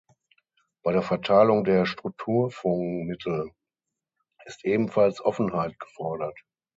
Bei der Verteilung der Strukturfondsmittel ist ebenfalls Offenheit gefordert.